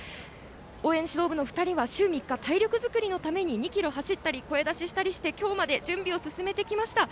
応援指導部の２人は週３日、体力作りのために２ｋｍ走ったり声出ししたりして今日まで準備を進めてきました。